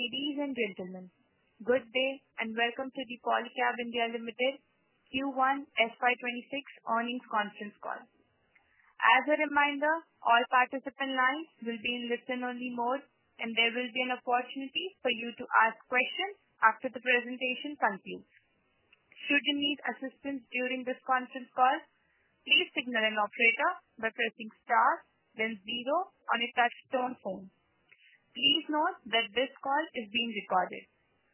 Ladies and gentlemen, good day and welcome to the Polycab India Limited Q1 FY26 Earnings Conference Call. As a reminder, all participant lines will be in listen-only mode, and there will be an opportunity for you to ask questions after the presentation concludes. Should you need assistance during this conference call, please signal an operator by pressing star then zero on a touch-tone phone. Please note that this call is being recorded.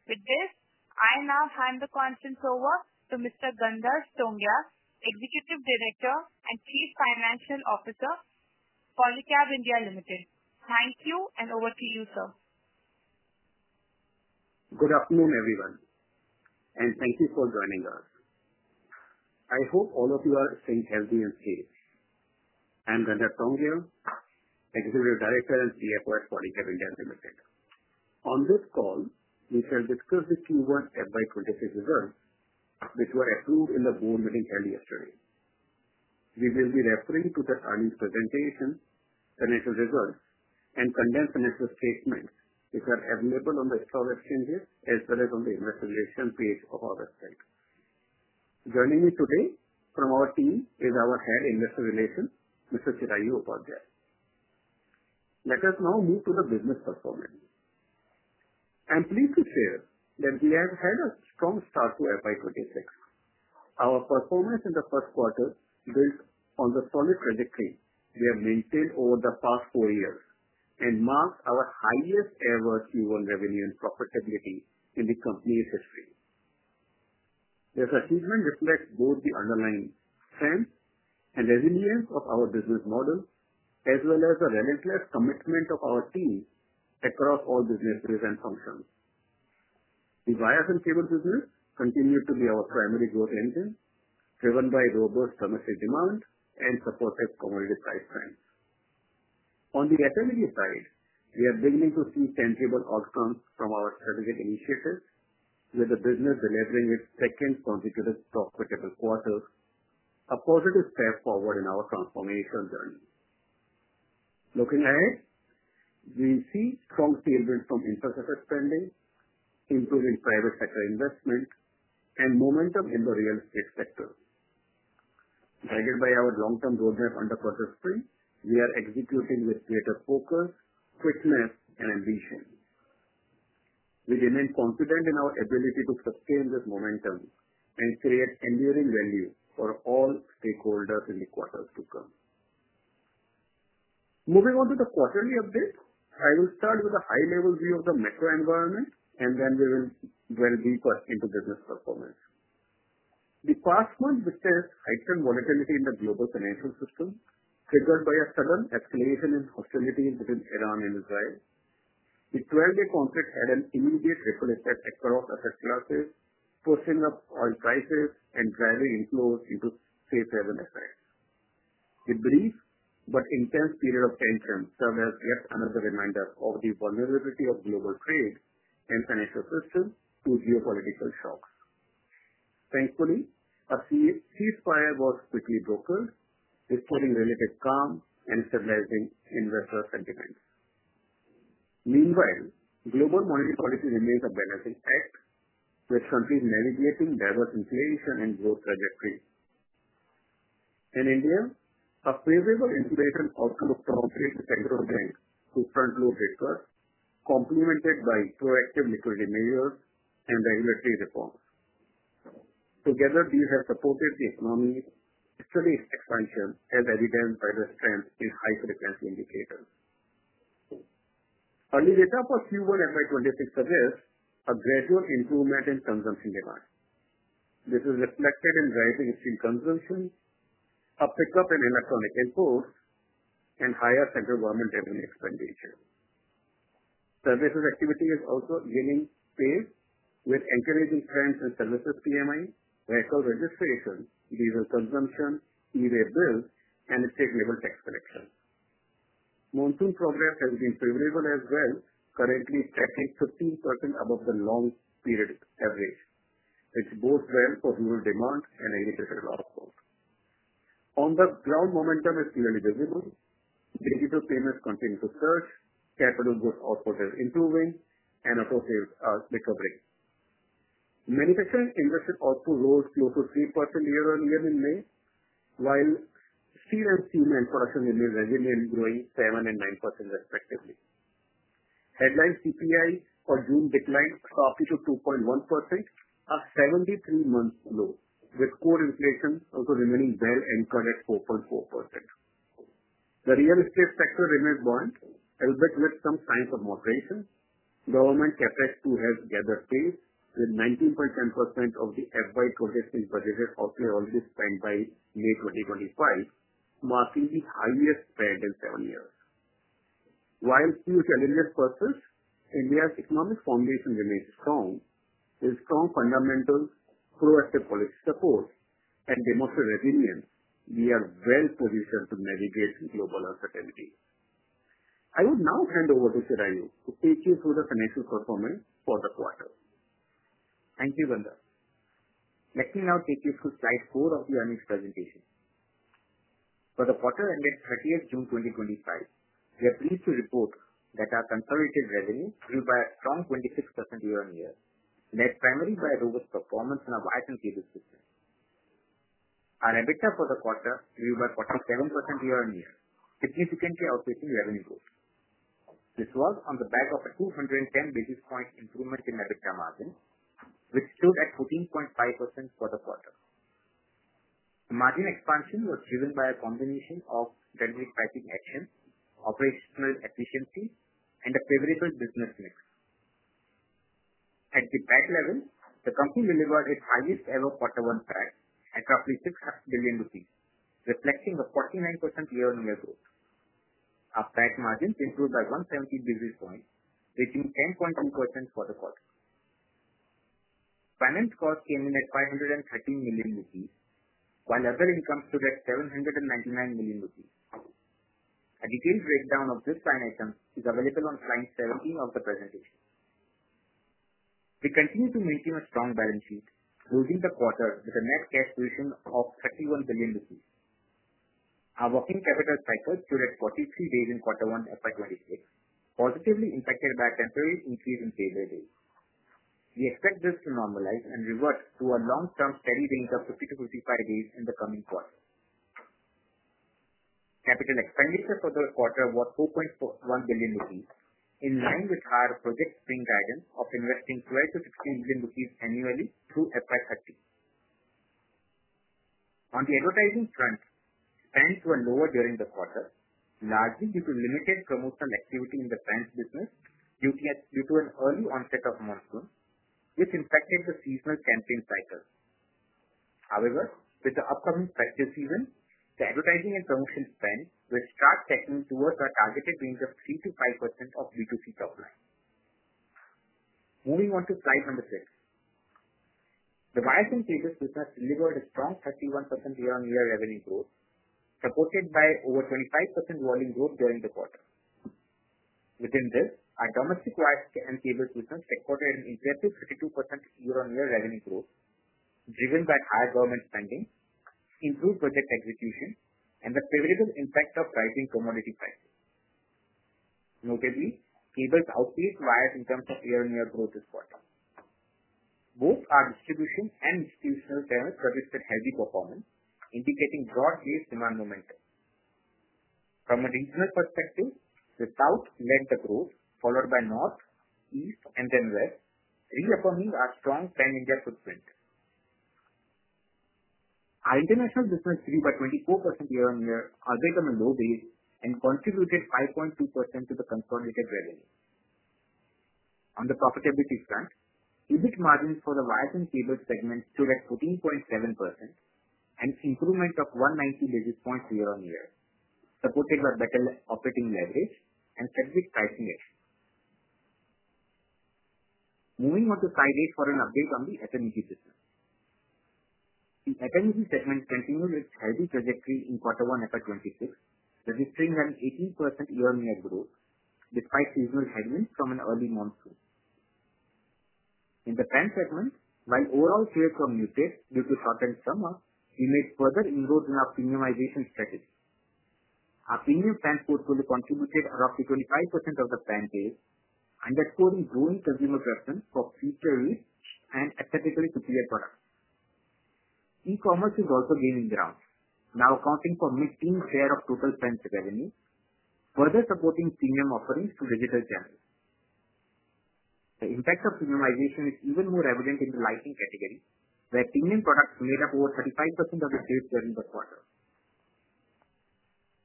With this, I now hand the conference over to Mr. Gandharv Tongia, Executive Director and Chief Financial Officer, Polycab India Limited. Thank you, and over to you, sir. Good afternoon, everyone. Thank you for joining us. I hope all of you are staying healthy and safe. I'm Gandharv Tongia, Executive Director and CFO at Polycab India Limited. On this call, we shall discuss the Q1 FY26 results, which were approved in the board meeting held yesterday. We will be referring to the earnings presentation, financial results, and condensed financial statements, which are available on the stock exchanges as well as on the investor relations page of our website. Joining me today from our team is our Head of Investor Relations, Mr. Chirayu Upadhyaya. Let us now move to the business performance. I'm pleased to share that we have had a strong start to FY26. Our performance in the first quarter built on the solid trajectory we have maintained over the past four years and marked our highest-ever Q1 revenue and profitability in the company's history. This achievement reflects both the underlying strength and resilience of our business model, as well as the relentless commitment of our team across all businesses and functions. The wires and cables business continues to be our primary growth engine, driven by robust domestic demand and supportive commodity price trends. On the activity side, we are beginning to see tangible outcomes from our strategic initiatives, with the business delivering its second consecutive profitable quarter, a positive step forward in our transformational journey. Looking ahead, we see strong tailwinds from infrastructure spending, improving private sector investment, and momentum in the real estate sector. Guided by our long-term roadmap under Project Spread, we are executing with greater focus, quickness, and ambition. We remain confident in our ability to sustain this momentum and create enduring value for all stakeholders in the quarters to come. Moving on to the quarterly update, I will start with a high-level view of the macro environment, and then we will delve deeper into business performance. The past month witnessed heightened volatility in the global financial system, triggered by a sudden escalation in hostilities between Iran and Israel. The 12-day conflict had an immediate ripple effect across asset classes, pushing up oil prices and driving inflows into safe-haven assets. The brief but intense period of tension served as yet another reminder of the vulnerability of global trade and financial systems to geopolitical shocks. Thankfully, a ceasefire was quickly brokered, restoring relative calm and stabilizing investor sentiments. Meanwhile, global monetary policy remains a balancing act, with countries navigating diverse inflation and growth trajectories. In India, a favorable inflation outlook prompted central banks to front-load rate cuts, complemented by proactive liquidity measures and regulatory reforms. Together, these have supported the economy's steady expansion, as evidenced by the strength in high-frequency indicators. Early data for Q1 FY26 suggests a gradual improvement in consumption demand. This is reflected in rising steel consumption, a pickup in electronic imports, and higher central government revenue expenditure. Services activity is also gaining pace, with encouraging trends in services PMI, vehicle registration, diesel consumption, e-way bills, and state-level tax collection. Monsoon progress has been favorable as well, currently tracking 15% above the long-period average, which bodes well for rural demand and agricultural output. On the ground, momentum is clearly visible. Digital payments continue to surge, capital goods output is improving, and auto sales are recovering. Manufacturing and industrial output rose close to 3% year-on-year in May, while steel and cement production remained resilient, growing 7% and 9% respectively. Headline CPI for June declined sharply to 2.1%, a 73-month low, with core inflation also remaining well anchored at 4.4%. The real estate sector remains buoyant, albeit with some signs of moderation. Government CapEx too has gathered pace, with 19.7% of the FY26 budgeted outlay already spent by May 2025, marking the highest pace in seven years. While few challenges persist, India's economic foundation remains strong. With strong fundamentals, proactive policy support, and demonstrated resilience, we are well-positioned to navigate global uncertainty. I will now hand over to Chirayu to take you through the financial performance for the quarter. Thank you, Gandharv. Let me now take you through slide four of the earnings presentation. For the quarter ending 30th June 2025, we are pleased to report that our consolidated revenue, driven by a strong 26% year-on-year, led primarily by robust performance in our wires and cables business. Our EBITDA for the quarter, driven by 47% year-on-year, significantly outpaced revenue growth. This was on the back of a 210 basis point improvement in EBITDA margin, which stood at 14.5% for the quarter. Margin expansion was driven by a combination of dynamic pricing actions, operational efficiency, and a favorable business mix. At the PAT level, the company delivered its highest-ever quarter-one PAT at roughly 6 billion rupees, reflecting a 49% year-on-year growth. Our PAT margins improved by 170 basis points, reaching 10.2% for the quarter. Finance costs came in at 513 million rupees, while other incomes stood at 799 million rupees. A detailed breakdown of these finances is available on slide 17 of the presentation. We continue to maintain a strong balance sheet, closing the quarter with a net cash position of ₹31 billion. Our working capital cycle stood at 43 days in quarter one FY26, positively impacted by a temporary increase in payable days. We expect this to normalize and revert to a long-term steady range of 50-55 days in the coming quarter. Capital expenditure for the quarter was 4.1 billion rupees, in line with our project spending guidance of investing 12 billion - 16 billion rupees annually through FY30. On the advertising front, spend was lower during the quarter, largely due to limited promotional activity in the fans' business due to an early onset of monsoon, which impacted the seasonal campaign cycle. However, with the upcoming festive season, the advertising and promotion spend will start tracking towards a targeted range of 3%-5% of B2C top line. Moving on to slide number six. The wires and cables business delivered a strong 31% year-on-year revenue growth, supported by over 25% volume growth during the quarter. Within this, our domestic wires and cables business recorded an impressive 32% year-on-year revenue growth, driven by higher government spending, improved project execution, and the favorable impact of rising commodity prices. Notably, cables outpaced wires in terms of year-on-year growth this quarter. Both our distribution and institutional service produced a healthy performance, indicating broad-based demand momentum. From a regional perspective, the south led the growth, followed by north, east, and then west, reaffirming our strong Pan-India footprint. Our international business grew by 24% year-on-year, albeit on a low base, and contributed 5.2% to the consolidated revenue. On the profitability front, EBIT margins for the wires and cables segment stood at 14.7%, an improvement of 190 basis points year-on-year, supported by better operating leverage and strategic pricing actions. Moving on to slide eight for an update on the FMEG business. The FMEG segment continued its healthy trajectory in quarter one FY26, registering an 18% year-on-year growth, despite seasonal headwinds from an early monsoon. In the fans segment, while overall sales were muted due to short-term summer, we made further inroads in our premiumization strategy. Our premium fans portfolio contributed roughly 25% of the fan base, underscoring growing consumer preference for feature-rich and aesthetically superior products. E-commerce is also gaining ground, now accounting for a mid-teen share of total fans' revenue, further supporting premium offerings through digital channels. The impact of premiumization is even more evident in the lighting category, where premium products made up over 35% of the sales during the quarter.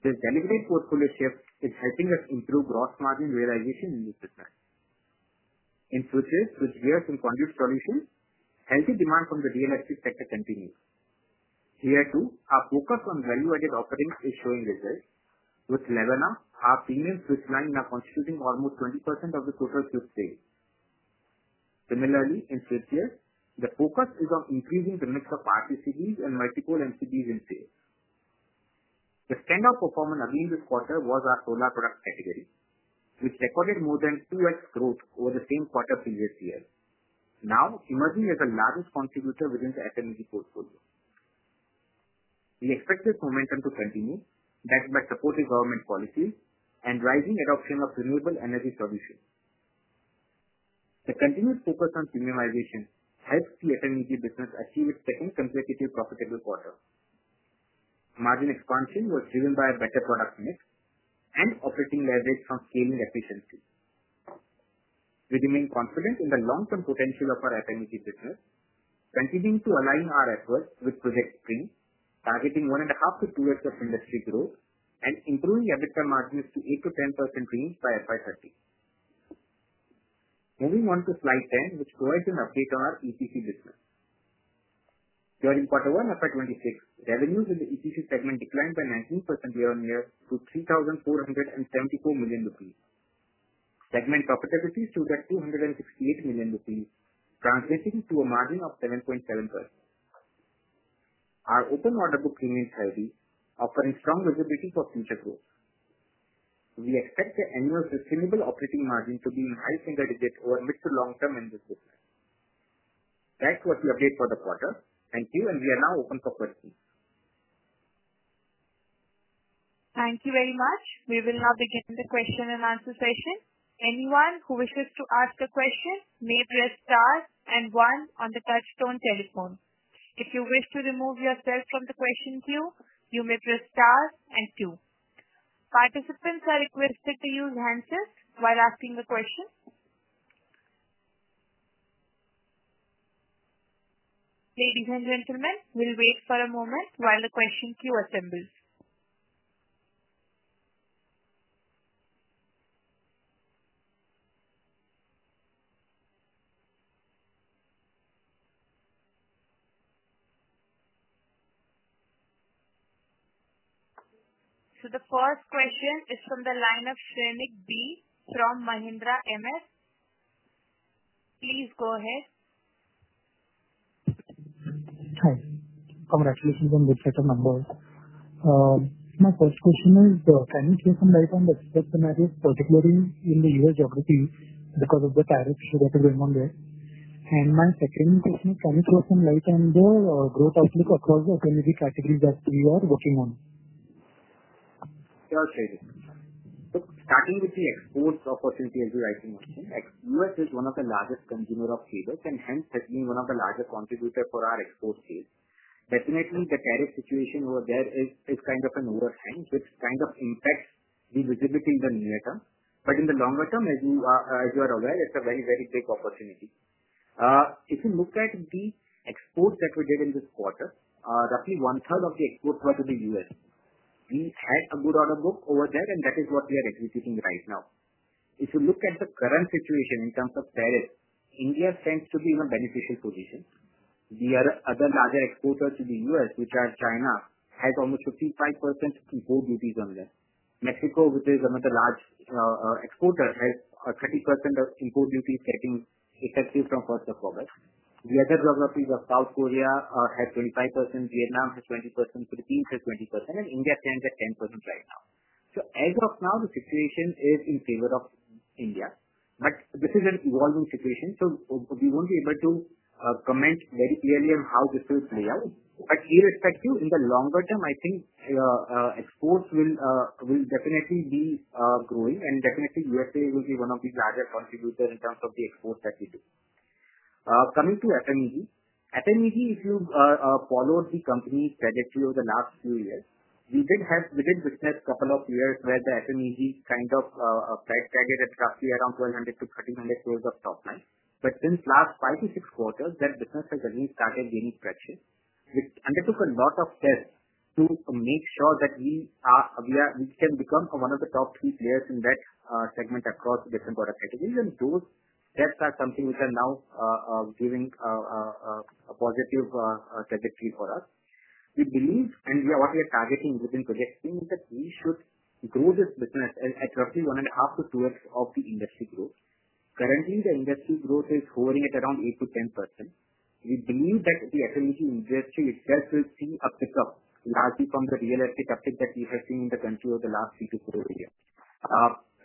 This deliberate portfolio shift is helping us improve gross margin realization in this business. In switches, switch gears and conduit solutions, healthy demand from the real estate sector continues. Here too, our focus on value-added offerings is showing results, with Levana, our premium switch line, now constituting almost 20% of the total switch sales. Similarly, in switch gears, the focus is on increasing the mix of RCCBs and multiple MCBs in sales. The standout performance again this quarter was our solar product category, which recorded more than 2X growth over the same quarter previous year, now emerging as the largest contributor within the FMEG portfolio. We expect this momentum to continue, backed by supportive government policies and rising adoption of renewable energy solutions. The continued focus on premiumization helped the FMEG business achieve its second consecutive profitable quarter. Margin expansion was driven by a better product mix and operating leverage from scaling efficiency. We remain confident in the long-term potential of our FMEG business, continuing to align our efforts with project spend, targeting 1.5 to 2X of industry growth, and improving EBITDA margins to 8% to 10% range by FY30. Moving on to slide 10, which provides an update on our EPC business. During quarter one FY26, revenues in the EPC segment declined by 19% year-on-year to 3,474 million rupees. Segment profitability stood at 268 million rupees, translating to a margin of 7.7%. Our open order book remains healthy, offering strong visibility for future growth. We expect the annual sustainable operating margin to be in high single digits over mid to long-term in this business. That was the update for the quarter. Thank you, and we are now open for questions. Thank you very much. We will now begin the question and answer session. Anyone who wishes to ask a question may press star and one on the touch-tone telephone. If you wish to remove yourself from the question queue, you may press star and two. Participants are requested to use handsets while asking a question. Ladies and gentlemen, we'll wait for a moment while the question queue assembles. So the first question is from the line of Shrenik B from Mahindra MM. Please go ahead. Hi. Congratulations on the set of numbers. My first question is, can you shed some light on the expected markets, particularly in the U.S. geography, because of the tariffs that are going on there? And my second question is, can you shed some light on the growth outlook across the FMEG categories that we are working on? Sure, Sridhar. So starting with the exports opportunity as you rightly mentioned, U.S. is one of the largest consumers of cables and hence has been one of the larger contributors for our export sales. Definitely, the tariff situation over there is kind of an overhang, which kind of impacts the visibility in the near term. But in the longer term, as you are aware, it's a very, very big opportunity. If you look at the exports that we did in this quarter, roughly one-third of the exports were to the U.S. We had a good order book over there, and that is what we are executing right now. If you look at the current situation in terms of tariffs, India tends to be in a beneficial position. The other larger exporter to the U.S., which is China, has almost 55% import duties on them. Mexico, which is another large exporter, has 30% of import duties getting effective from 1st of August. The other geographies of South Korea have 25%, Vietnam has 20%, Philippines has 20%, and India stands at 10% right now. So as of now, the situation is in favor of India. But this is an evolving situation, so we won't be able to comment very clearly on how this will play out. But irrespective, in the longer term, I think. Exports will definitely be growing, and definitely, U.S.A. will be one of the larger contributors in terms of the exports that we do. Coming to FMEG, FMEG, if you followed the company's trajectory over the last few years, we did witness a couple of years where the FMEG kind of flagged targeted roughly around 1,200 crore - 1,300 crore of top line. But since last five to six quarters, that business has again started gaining traction, which undertook a lot of tests to make sure that we. Can become one of the top three players in that segment across different product categories. And those tests are something which are now giving a positive trajectory for us. We believe, and what we are targeting within A&P spend is that we should grow this business at roughly 1.5 to 2X of the industry growth. Currently, the industry growth is hovering at around 8%-10%. We believe that the FMEG industry itself will see a pickup, largely from the real estate uptick that we have seen in the country over the last three to four years.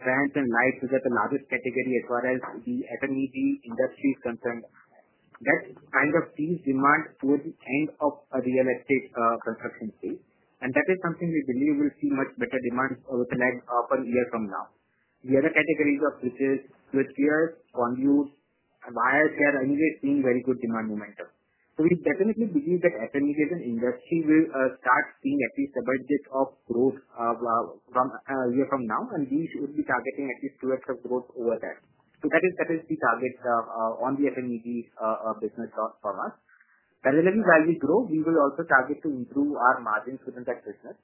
Fans and lights are the largest category as far as the FMEG industry is concerned. That kind of sees demand towards the end of a real estate construction phase. And that is something we believe will see much better demand over the next couple years from now. The other categories of switch gears, conduits, and wires are anyway seeing very good demand momentum. So we definitely believe that FMEG as an industry will start seeing at least double-digit growth from a year from now, and we should be targeting at least 2X of growth over there. So that is the target on the FMEG business for us. Parallelly, while we grow, we will also target to improve our margins within that business.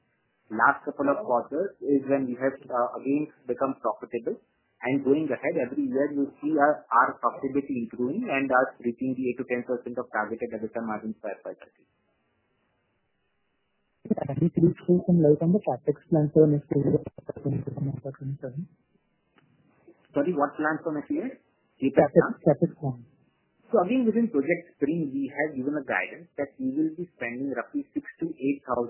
Last couple of quarters is when we have again become profitable. And going ahead, every year you'll see our profitability improving and us reaching the 8%-10% targeted FMEG margins by FY30. Can you please shed some light on the CapEx plans for the next year? Sorry, what plans for next year? CapEx plans. CapEx plans. So again, within A&P spending, we have given a guidance that we will be spending roughly 6,000 -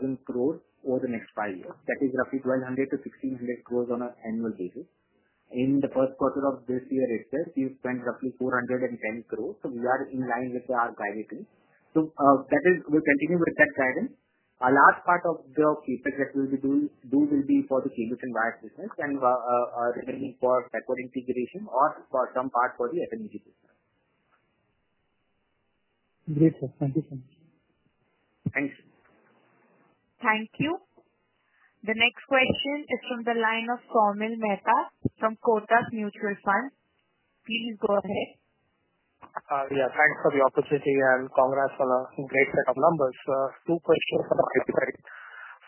8,000 crores over the next five years. That is roughly 1,200 - 1,600 crores on an annual basis. In the first quarter of this year, we've spent roughly 410 crores. So we are in line with our guidance. So we'll continue with that guidance. A large part of the CapEx that we'll be doing will be for the cables and wires business and remaining for forward integration or for some part for the FMEG business. Great, sir. Thank you so much. Thank you. Thank you. The next question is from the line of Saumil Mehta from Kotak Mutual Fund. Please go ahead. Yeah, thanks for the opportunity and congrats on a great set of numbers. Two questions for the audience.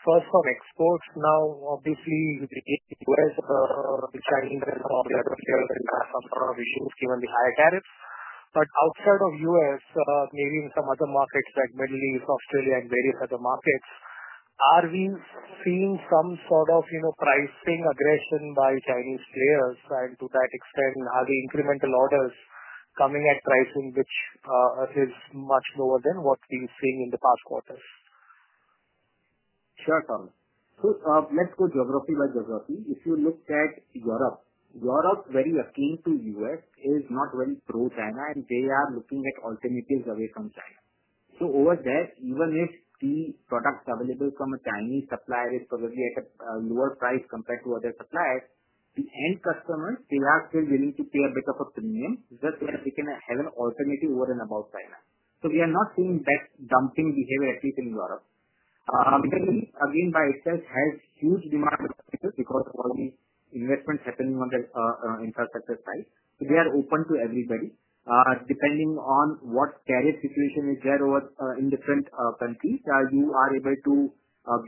First, on exports. Now, obviously, US is challenged as well. We have some sort of issues given the higher tariffs. But outside of US, maybe in some other markets like the Middle East, Australia, and various other markets, are we seeing some sort of pricing aggression by Chinese players? And to that extent, are the incremental orders coming at pricing which is much lower than what we've seen in the past quarters? Sure, Saumil. So let's go geography by geography. If you look at Europe, Europe's very akin to the US, is not very pro-China, and they are looking at alternatives away from China. So over there, even if the product available from a Chinese supplier is probably at a lower price compared to other suppliers, the end customers, they are still willing to pay a bit of a premium just so that they can have an alternative over and above China. So we are not seeing that dumping behavior, at least in Europe. FMEG, again, by itself, has huge demand because of all the investments happening on the infrastructure side. So they are open to everybody. Depending on what the tariff situation is there in different countries, you are able to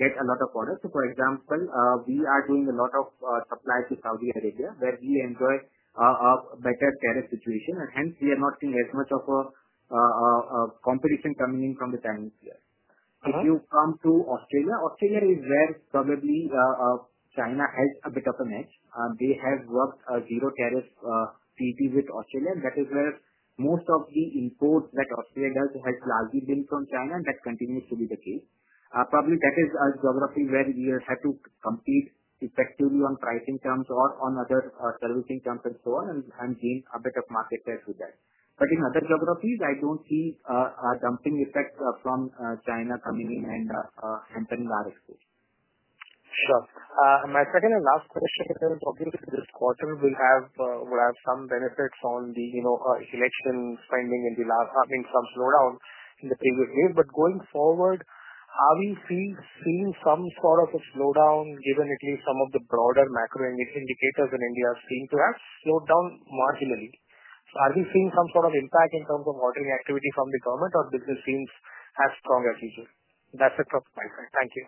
get a lot of orders. So for example, we are doing a lot of supply to Saudi Arabia, where we enjoy a better tariff situation. And hence, we are not seeing as much of a competition coming in from the Chinese players. If you come to Australia, Australia is where probably China has a bit of a match. They have worked a zero tariff treaty with Australia, and that is where most of the imports that Australia does have largely been from China, and that continues to be the case. Probably that is a geography where we will have to compete effectively on pricing terms or on other servicing terms and so on and gain a bit of market share through that. But in other geographies, I don't see a dumping effect from China coming in and hampering our exports. Sure. My second and last question is, obviously, this quarter will have some benefits on the election spending and the I mean, some slowdown in the previous years. But going forward, are we seeing some sort of a slowdown given at least some of the broader macro indicators in India seem to have slowed down marginally? So are we seeing some sort of impact in terms of ordering activity from the government, or does it seem as strong as usual? That's the question. Thank you.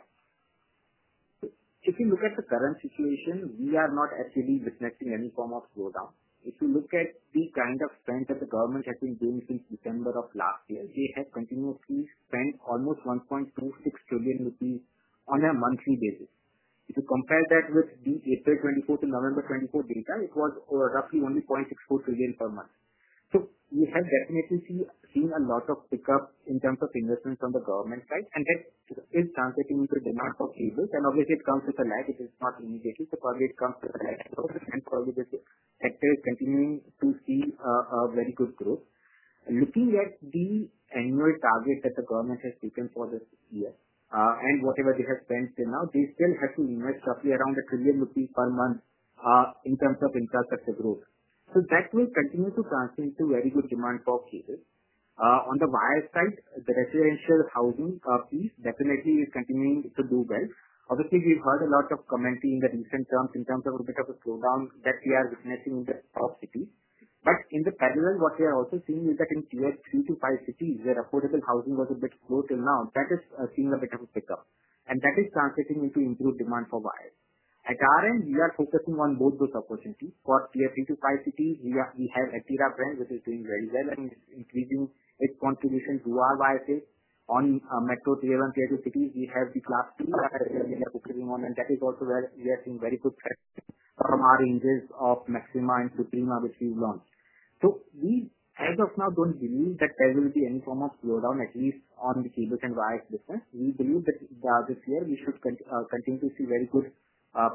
If you look at the current situation, we are not actually witnessing any form of slowdown. If you look at the kind of spend that the government has been doing since December of last year, they have continuously spent almost 1.26 trillion rupees on a monthly basis. If you compare that with the April 2024 to November 2024 data, it was roughly only 0.64 trillion per month. So we have definitely seen a lot of pickup in terms of investments on the government side, and that is translating into demand for cables. And obviously, it comes with a lag. It is not immediately, but probably it comes with a lag as well. And probably this sector is continuing to see very good growth. Looking at the annual target that the government has taken for this year and whatever they have spent till now, they still have to invest roughly around ₹1 trillion per month in terms of infrastructure growth. So that will continue to translate into very good demand for cables. On the wire side, the residential housing piece definitely is continuing to do well. Obviously, we've heard a lot of commentary in the recent times in terms of a bit of a slowdown that we are witnessing in the top cities. But in parallel, what we are also seeing is that in tier three to five cities, where affordable housing was a bit slow till now, that is seeing a bit of a pickup. And that is translating into improved demand for wires. At our, we are focusing on both those opportunities. For tier three to five cities, we have Atira brand, which is doing very well and is increasing its contribution to our wires. On metro tier one to tier two cities, we have the class three wires that we are focusing on, and that is also where we are seeing very good traction from our ranges of Maxima and Suprema, which we've launched. So we as of now don't believe that there will be any form of slowdown, at least on the cables and wires business. We believe that this year we should continue to see very good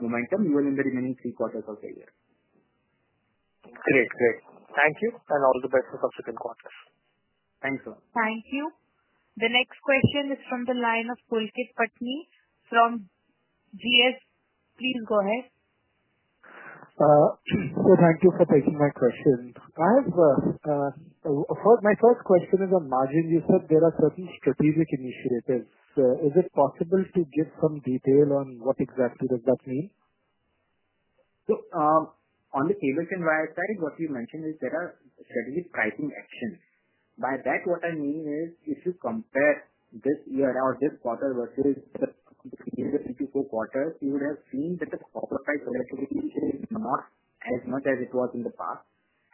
momentum, even in the remaining three quarters of the year. Great, great. Thank you. And all the best for subsequent quarters. Thank you, sir. Thank you. The next question is from the line of Pulkit Patni from Goldman Sachs. Please go ahead. So thank you for taking my question. My first question is on margin. You said there are certain strategic initiatives. Is it possible to give some detail on what exactly does that mean? So on the cables and wires side, what you mentioned is there are strategic pricing actions. By that, what I mean is if you compare this year or this quarter versus the previous three to four quarters, you would have seen that the copper price relatively is not as much as it was in the past.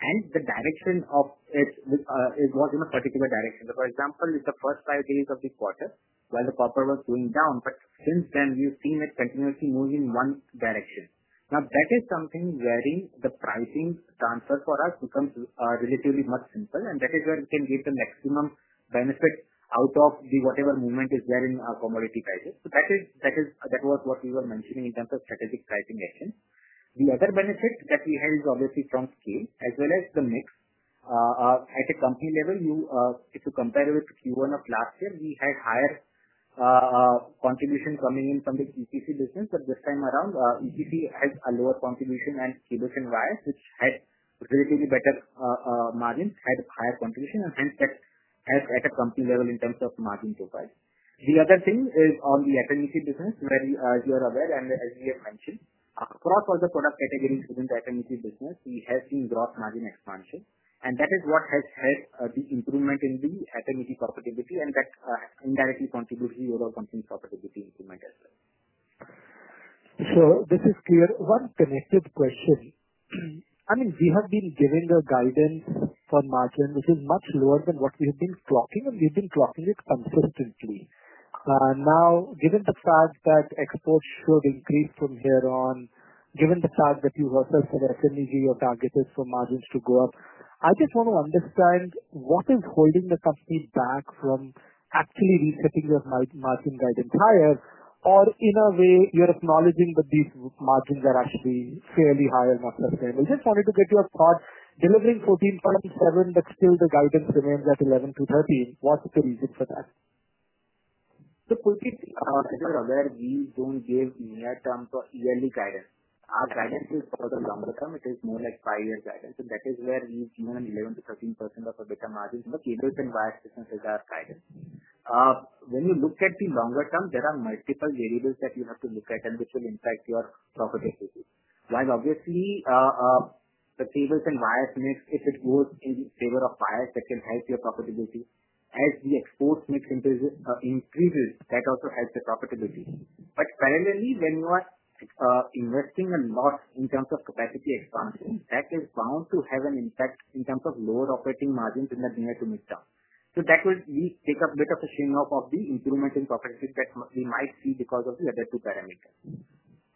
And the direction of it was in a particular direction. So for example, in the first five days of this quarter, while the copper was going down, but since then, we've seen it continuously moving in one direction. Now, that is something wherein the pricing transfer for us becomes relatively much simpler, and that is where we can get the maximum benefit out of the whatever movement is there in commodity prices. So that was what we were mentioning in terms of strategic pricing actions. The other benefit that we had is obviously from scale, as well as the mix. At a company level, if you compare with Q1 of last year, we had higher. Contribution coming in from the EPC business, but this time around, EPC had a lower contribution, and cables and wires, which had relatively better margins, had higher contribution. And hence, that has at a company level in terms of margin profile. The other thing is on the FMEG business, where you are aware and as we have mentioned, across all the product categories within the FMEG business, we have seen gross margin expansion. And that is what has helped the improvement in the FMEG profitability, and that indirectly contributes to the overall company's profitability improvement as well. So this is clear. One connected question. I mean, we have been giving a guidance for margin, which is much lower than what we have been clocking, and we've been clocking it consistently. Now, given the fact that exports should increase from here on, given the fact that you have said for FMEG, your target is for margins to go up, I just want to understand what is holding the company back from actually resetting their margin guidance higher, or in a way, you're acknowledging that these margins are actually fairly high and not sustainable. Just wanted to get your thought. Delivering 14.7%, but still the guidance remains at 11% - 13%. What's the reason for that? So Pulkit, as you are aware, we don't give near-term to yearly guidance. Our guidance is for the longer term. It is more like five-year guidance. And that is where we've given an 11% - 13% of a better margin in the cables and wires business as our guidance. When you look at the longer term, there are multiple variables that you have to look at and which will impact your profitability. While obviously the cables and wires mix, if it goes in favor of wires, that can help your profitability. As the export mix increases, that also helps the profitability. But parallelly, when you are investing a lot in terms of capacity expansion, that is bound to have an impact in terms of lower operating margins in the near to midterm. So that will take a bit of a shake-off of the improvement in profitability that we might see because of the other two parameters.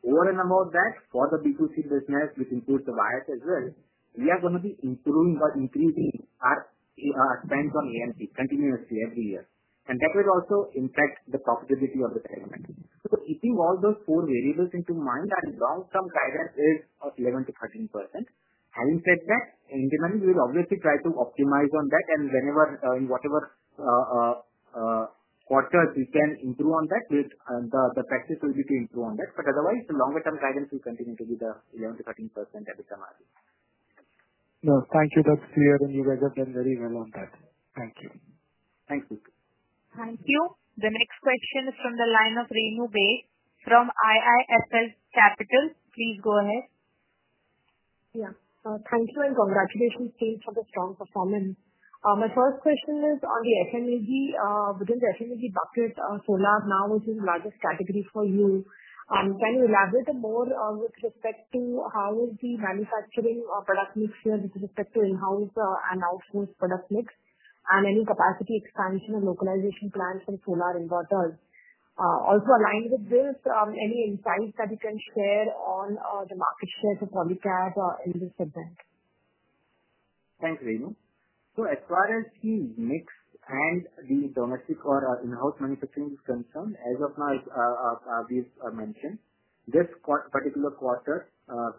Over and above that, for the B2C business, which includes the wires as well, we are going to be improving or increasing our spend on A&P continuously every year. And that will also impact the profitability of the parameters. So keeping all those four variables into mind, our long-term guidance is 11%-13%. Having said that, in the end, we will obviously try to optimize on that. And whenever, in whatever quarter we can improve on that, the practice will be to improve on that. But otherwise, the longer-term guidance will continue to be the 11%-13% at the margin. No, thank you. That's clear, and you guys have done very well on that. Thank you. Thanks, Pulkit. Thank you. The next question is from the line of Renu Baig from IIFL Capital. Please go ahead. Yeah. Thank you and congratulations team for the strong performance. My first question is on the FMEG. Within the FMEG bucket, solar now is the largest category for you. Can you elaborate more with respect to how is the manufacturing product mix here with respect to in-house and outsourced product mix and any capacity expansion and localization plans from solar inverters? Also aligned with this, any insights that you can share on the market share for Polycab in this segment? Thanks, Renu. So as far as the mix and the domestic or in-house manufacturing is concerned, as of now, as we've mentioned, this particular quarter,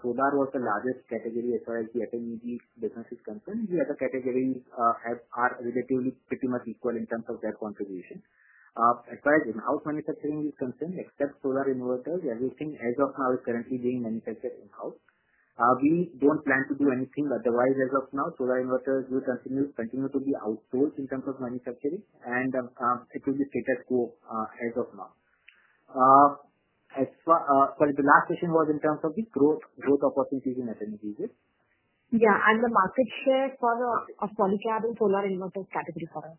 solar was the largest category as far as the FMEG business is concerned. The other categories are relatively pretty much equal in terms of their contribution. As far as in-house manufacturing is concerned, except solar inverters, everything as of now is currently being manufactured in-house. We don't plan to do anything otherwise as of now. Solar inverters will continue to be outsourced in terms of manufacturing, and it will be status quo as of now. Sorry, the last question was in terms of the growth opportunities in FMEGs. Yeah. And the market share for Polycab in solar inverter category for us?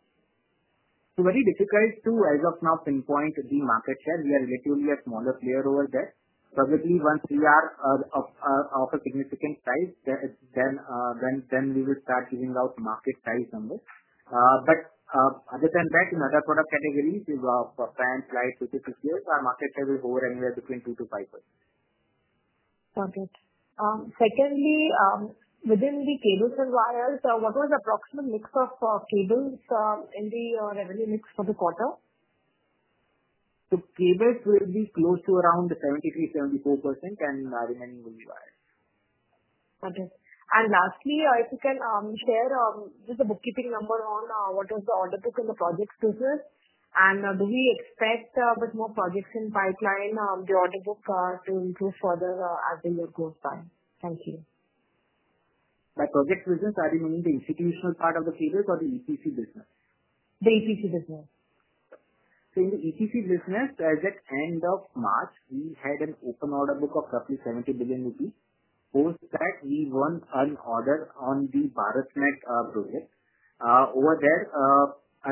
It's very difficult to, as of now, pinpoint the market share. We are relatively a smaller player over there. Probably once we are. Of a significant size, then. We will start giving out market size numbers. But other than that, in other product categories for fans, lights, which is secured, our market share will hover anywhere between two to five percent. Got it. Secondly, within the cables and wires, what was the approximate mix of cables in the revenue mix for the quarter? So cables will be close to around 73%, 74%, and the remaining will be wires. Got it. And lastly, if you can share just the bookkeeping number on what was the order book in the projects business, and do we expect a bit more projects in pipeline, the order book to improve further as the year goes by? Thank you. By projects business, are you meaning the institutional part of the cables or the EPC business? The EPC business. So in the EPC business, as at end of March, we had an open order book of roughly 70 billion rupees. Post that, we won an order on the BharatNet project. Over there,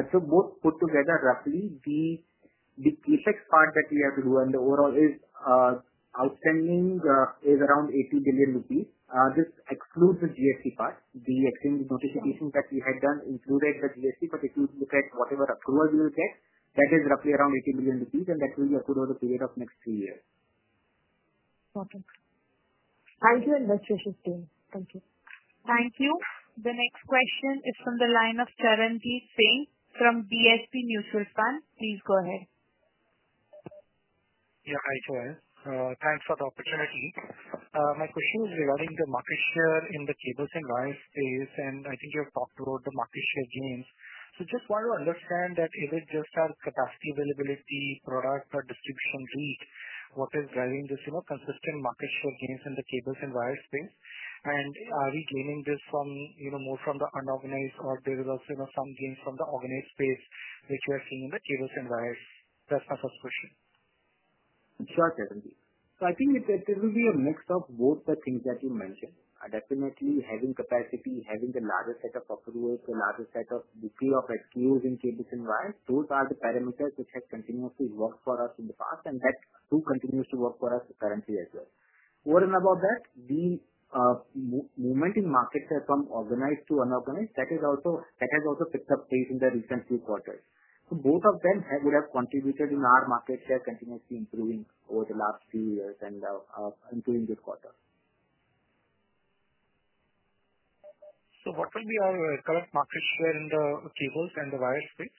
it took both put together roughly the EPC part that we have to do, and the overall outstanding is around 80 billion rupees. This excludes the GST part. The exchange notification that we had done included the GST, but if you look at whatever approval we will get, that is roughly around 80 billion rupees, and that will be approved over the period of next three years. Got it. Thank you and best wishes, team. Thank you. Thank you. The next question is from the line of Charanjit Singh from DSP Mutual Fund. Please go ahead. Yeah, hi Chirayu. Thanks for the opportunity. My question is regarding the market share in the cables and wires space, and I think you have talked about the market share gains. So just want to understand that is it just our capacity availability, product, or distribution reach? What is driving this consistent market share gains in the cables and wires space? And are we gaining this more from the unorganized or there is also some gains from the organized space, which we are seeing in the cables and wires? That's my first question. Sure, Charanjit. So I think that this will be a mix of both the things that you mentioned. Definitely having capacity, having the larger set of approvals, the larger set of the variety of SKUs in cables and wires, those are the parameters which have continuously worked for us in the past, and that too continues to work for us currently as well. Over and above that, the movement in market share from organized to unorganized, that has also picked up pace in the recent few quarters. So both of them would have contributed in our market share continuously improving over the last few years and improving this quarter. So what will be our current market share in the cables and the wires space?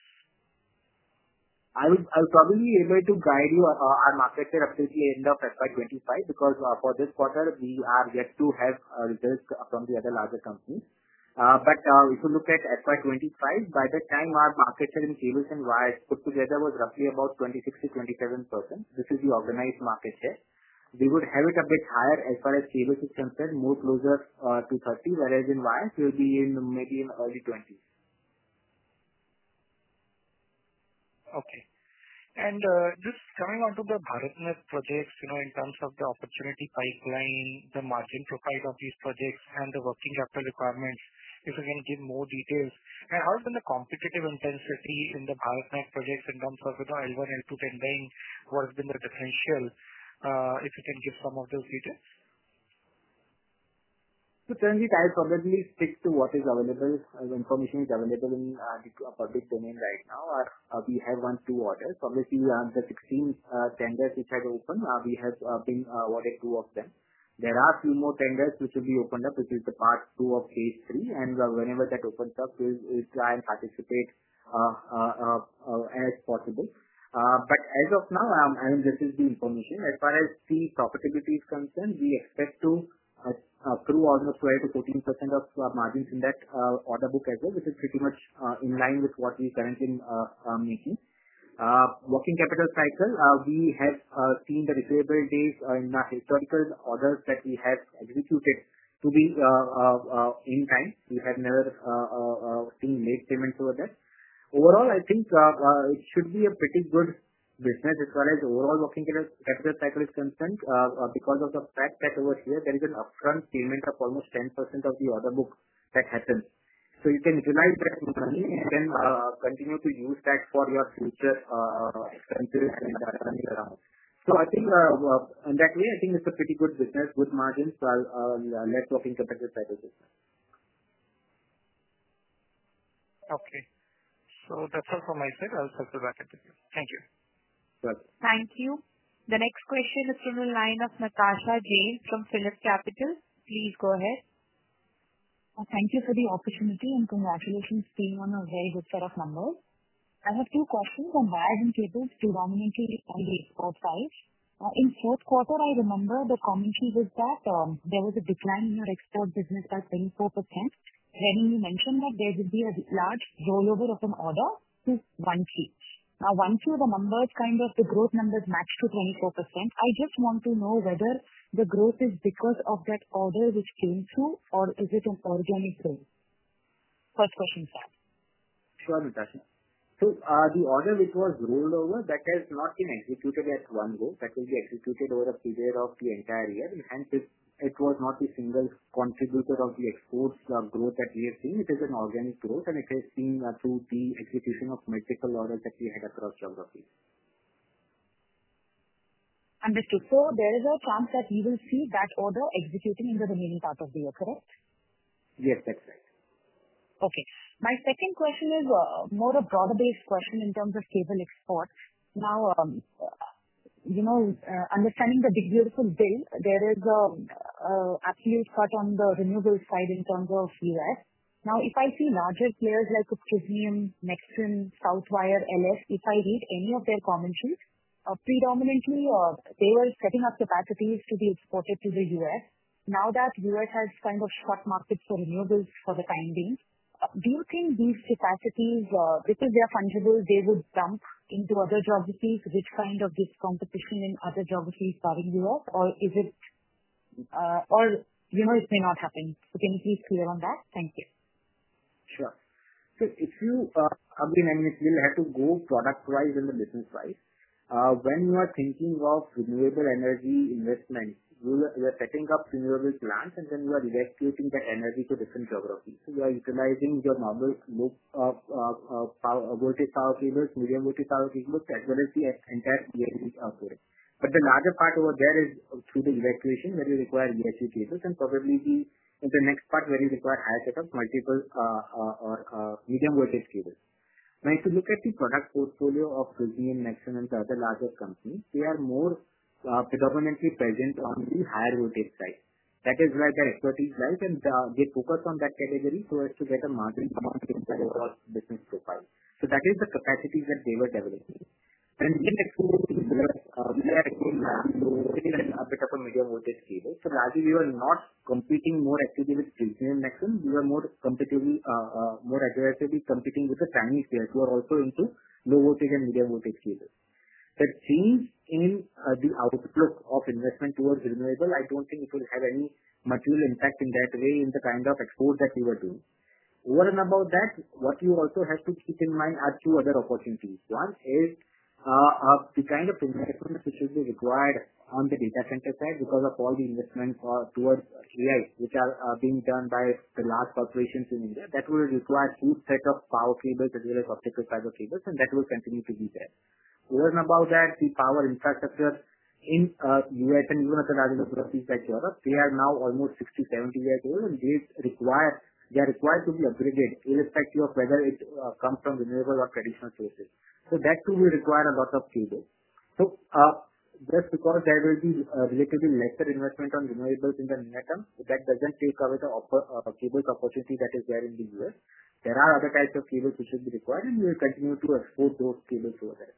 I'll probably be able to guide you on our market share up to the end of FY25 because for this quarter, we are yet to have results from the other larger companies. But if you look at FY25, by that time, our market share in cables and wires put together was roughly about 26%-27%. This is the organized market share. We would have it a bit higher as far as cables is concerned, more closer to 30%, whereas in wires, we'll be in maybe early 20s. Okay. And just coming on to the BharatNet projects in terms of the opportunity pipeline, the margin profile of these projects, and the working capital requirements, if you can give more details. And how has been the competitive intensity in the BharatNet projects in terms of L1, L2 tendering? What has been the differential? If you can give some of those details. So Charanjit, I'll probably stick to what is available. The information is available in the public domain right now. We have won two orders. Obviously, the 16 tenders which had opened, we have been awarded two of them. There are a few more tenders which will be opened up, which is the part two of phase three. And whenever that opens up, we'll try and participate as possible. But as of now, I mean, this is the information. As far as the profitability is concerned, we expect to accrue almost 12% - 14% of margins in that order book as well, which is pretty much in line with what we're currently making. Working capital cycle, we have seen the receivable days in the historical orders that we have executed to be in time. We have never seen late payments over there. Overall, I think it should be a pretty good business as far as overall working capital cycle is concerned because of the fact that over here, there is an upfront payment of almost 10% of the order book that happens. So you can utilize that money and then continue to use that for your future expenses and running around. So I think in that way, I think it's a pretty good business, good margins led to working capital cycle business. Okay. So that's all from my side. I'll circle back into you. Thank you. Thank you. The next question is from the line of Natasha Jain from Phillip Capital. Please go ahead. Thank you for the opportunity and congratulations team on a very good set of numbers. I have two questions on wires and cables predominantly on the export side. In fourth quarter, I remember the commentary was that there was a decline in your export business by 24%. Renu, you mentioned that there would be a large rollover of an order to 1Q. Now, 1Q, the numbers kind of the growth numbers match to 24%. I just want to know whether the growth is because of that order which came through or is it an organic growth? First question is that. Sure, Natasha. So the order which was rolled over, that has not been executed at one go. That will be executed over a period of the entire year. And hence, it was not the single contributor of the export growth that we have seen. It is an organic growth, and it has been through the execution of multiple orders that we had across geographies. And before there is a chance that we will see that order executing in the remaining part of the year, correct? Yes, that's right. Okay. My second question is more a broader-based question in terms of cable exports. Now. Understanding the big beautiful bill, there is an absolute cut on the renewables side in terms of U.S. Now, if I see larger players like KEI Industries, Nexans, Southwire, LS Cable, if I read any of their commentary, predominantly, they were setting up capacities to be exported to the U.S. Now that U.S. has kind of shut markets for renewables for the time being, do you think these capacities, because they are fungible, they would dump into other geographies, which kind of gives competition in other geographies barring U.S., or is it. Or it may not happen? So can you please clear on that? Thank you. Sure. So if you again, I mean, it will have to go product-wise and the business-wise. When you are thinking of renewable energy investment, you are setting up renewable plants, and then you are evacuating that energy to different geographies. So you are utilizing your normal. Voltage power cables, medium voltage power cables, as well as the entire EHV output. But the larger part over there is through the evacuation where you require EHV cables, and probably in the next part where you require higher setups, multiple medium voltage cables. Now, if you look at the product portfolio of KEI, Nexans, and the other larger companies, they are more predominantly present on the higher voltage side. That is why their expertise lies and they focus on that category so as to get a margin amount in their overall business profile. So that is the capacity that they were developing. And in the next few days, we are actually launching a bit of a medium voltage cable. So largely, we were not competing more actively with KEI and Nexans. We were more aggressively competing with the Chinese players who are also into low voltage and medium voltage cables. The change in the outlook of investment towards renewable, I don't think it will have any material impact in that way in the kind of export that we were doing. Over and above that, what you also have to keep in mind are two other opportunities. One is the kind of investment which will be required on the data center side because of all the investments towards AI, which are being done by the large corporations in India, that will require two sets of power cables as well as optical fiber cables, and that will continue to be there. Over and above that, the power infrastructure in the U.S. and even at the larger geographies like Europe, they are now almost 60, 70 years old, and they are required to be upgraded irrespective of whether it comes from renewable or traditional sources. So that too will require a lot of cables. So just because there will be relatively lesser investment on renewables in the near term, that doesn't take away the cables opportunity that is there in the U.S. There are other types of cables which will be required, and we will continue to export those cables over there.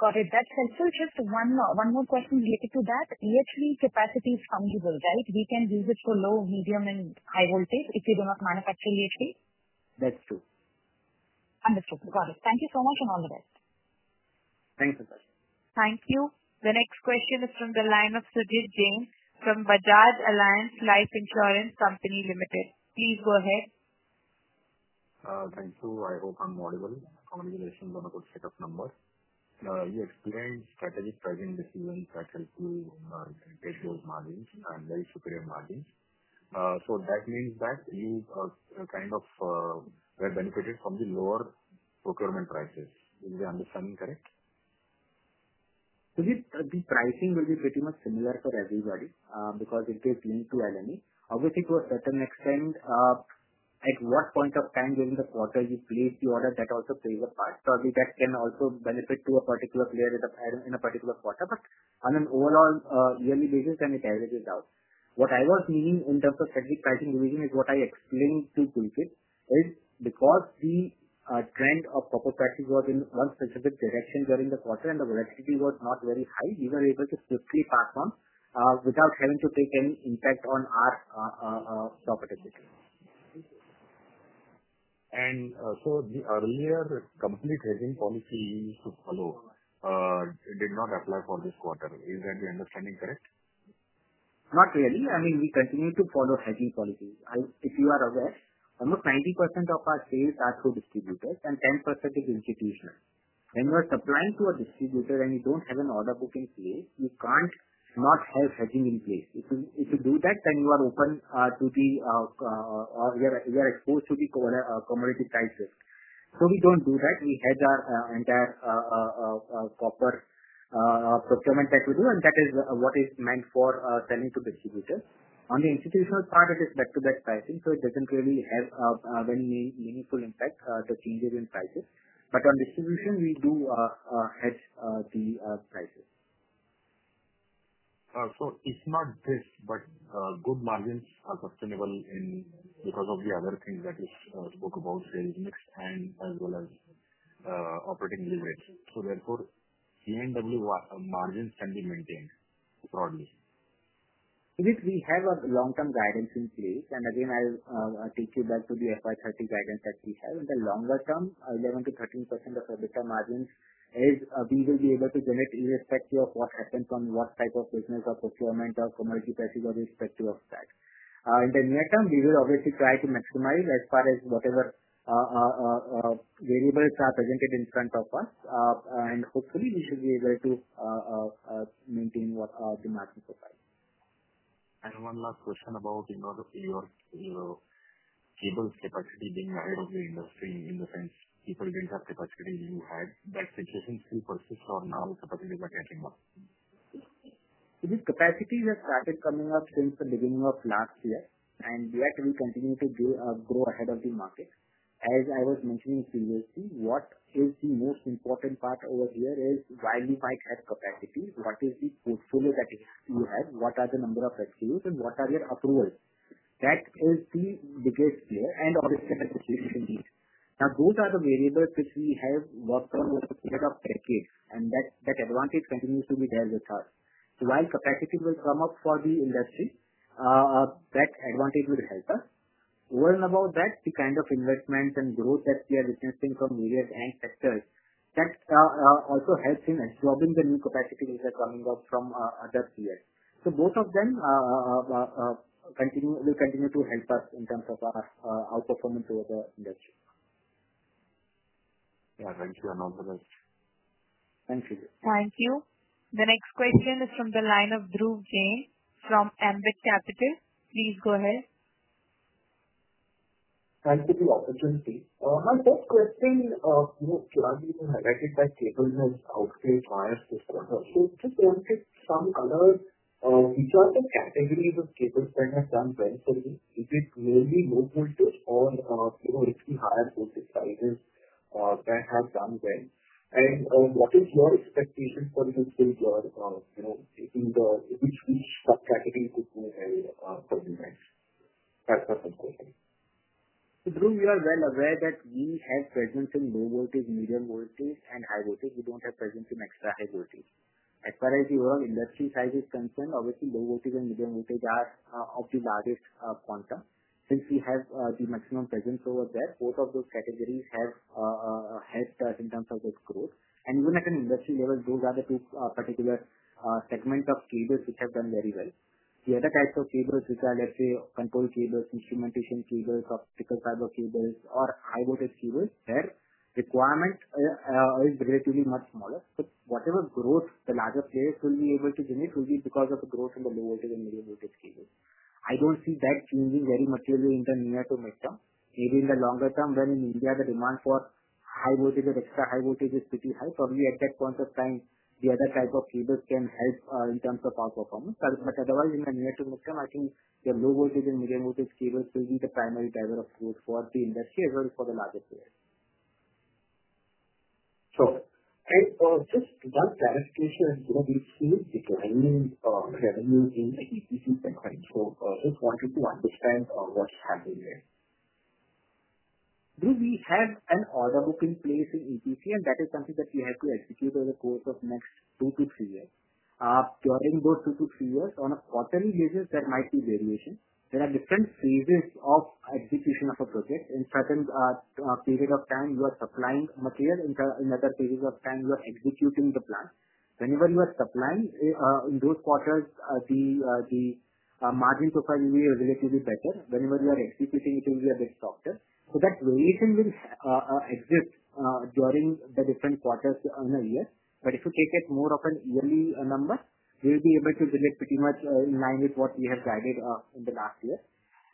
Got it. That's helpful. Just one more question related to that. EHV capacity is fungible, right? We can use it for low, medium, and high voltage if we do not manufacture EHV? That's true. Understood. Got it. Thank you so much and all the best. Thank you, Natasha. Thank you. The next question is from the line of Sujit Jain from Bajaj Allianz Life Insurance Company Limited. Please go ahead. Thank you. I hope I'm audible. Congratulations on a good set of numbers. You explained strategic pricing decisions that help you get those margins and very superior margins. So that means that you kind of were benefited from the lower procurement prices. Is the understanding correct? Sujit, the pricing will be pretty much similar for everybody because it is linked to LME. Obviously, to a certain extent. At what point of time during the quarter you place the order, that also plays a part. Probably that can also benefit to a particular player in a particular quarter. But on an overall yearly basis, then it averages out. What I was meaning in terms of strategic pricing revision is what I explained to KEI is because the trend of copper price was in one specific direction during the quarter and the volatility was not very high, we were able to swiftly pass on without having to take any impact on our profitability. And so the earlier complete hedging policy you used to follow did not apply for this quarter. Is that the understanding correct? Not really. I mean, we continue to follow hedging policies. If you are aware, almost 90% of our sales are through distributors and 10% is institutional. When you are supplying to a distributor and you don't have an order book in place, you can't not have hedging in place. If you do that, then you are open to the. You are exposed to the commodity price shift. So we don't do that. We hedge our entire procurement that we do, and that is what is meant for selling to distributors. On the institutional part, it is back-to-back pricing, so it doesn't really have any meaningful impact to changes in prices. But on distribution, we do hedge the prices. So it's not just. But good margins are sustainable because of the other things that you spoke about, sales mix and as well as operating units. So therefore, C&W margins can be maintained broadly. Sujit, we have a long-term guidance in place. And again, I'll take you back to the FY30 guidance that we have. In the longer term, 11% - 13% of our EBITDA margins is we will be able to generate irrespective of what happens on what type of business or procurement or commodity prices irrespective of that. In the near term, we will obviously try to maximize as far as whatever variables are presented in front of us. And hopefully, we should be able to maintain the margin profile. And one last question about your cable capacity being ahead of the industry in the sense people didn't have capacity when you had. That situation still persists or now capacities are catching up? Sujit, capacities have started coming up since the beginning of last year, and yet we continue to grow ahead of the market. As I was mentioning previously, what is the most important part over here is while you might have capacity, what is the portfolio that you have, what are the number of SKUs, and what are your approvals? That is the biggest player and obviously the situation need. Now, those are the variables which we have worked on over a period of decades, and that advantage continues to be there with us. So while capacity will come up for the industry. That advantage will help us. Over and above that, the kind of investments and growth that we are witnessing from various bank sectors, that also helps in absorbing the new capacity which are coming up from other players. So both of them. Will continue to help us in terms of our outperformance over the industry. Yeah, thank you. I'm all for that. Thank you. Thank you. The next question is from the line of Dhruv Jain from Ambit Capital. Please go ahead. Thank you for the opportunity. My first question. Chirayu, you highlighted that cables have outpaced wires this quarter. So just to give some color. Which are the categories of cables that have done well for you? Is it mainly low voltage or. It's the higher voltage sizes. That have done well? And what is your expectation for you to build your. Which subcategory could you have for you guys? That's my first question. So, Dhruv, we are well aware that we have presence in low voltage, medium voltage, and high voltage. We don't have presence in extra high voltage. As far as the overall industry size is concerned, obviously low voltage and medium voltage are of the largest quantum. Since we have the maximum presence over there, both of those categories have. Helped us in terms of the growth. And even at an industry level, those are the two particular. Segments of cables which have done very well. The other types of cables which are, let's say, control cables, instrumentation cables, optical fiber cables, or high voltage cables, their requirement. Is relatively much smaller. But whatever growth the larger players will be able to generate will be because of the growth in the low voltage and medium voltage cables. I don't see that changing very much in the near to mid term. Maybe in the longer term, when in India the demand for high voltage and extra high voltage is pretty high, probably at that point of time, the other type of cables can help in terms of our performance. But otherwise, in the near to mid term, I think the low voltage and medium voltage cables will be the primary driver of growth for the industry as well as for the larger players. Sure. And just one clarification. We've seen declining revenue in EPC segment. So just wanted to understand what's happening there. Dhruv, we have an order book in place in EPC, and that is something that we have to execute over the course of the next two to three years. During those two to three years, on a quarterly basis, there might be variation. There are different phases of execution of a project. In certain periods of time, you are supplying materials. In other periods of time, you are executing the plant. Whenever you are supplying, in those quarters, the. Margin profile will be relatively better. Whenever you are executing, it will be a bit softer. So that variation will. Exist during the different quarters in a year. But if you take it more of an yearly number, we'll be able to relate pretty much in line with what we have guided in the last year.